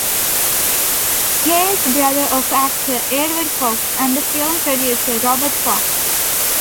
He is the brother of actor Edward Fox and the film producer Robert Fox.